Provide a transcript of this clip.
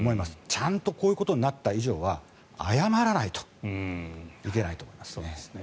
ちゃんとこういうことになった以上は謝らないといけないと思いますね。